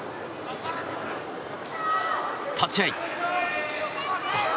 立ち合い。